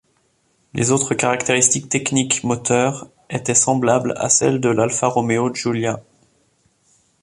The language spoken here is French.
Les autres caractéristiques techniques moteur étaient semblables à celles de l'Alfa Romeo Giulia.